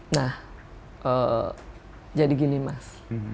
nah jadi gini mas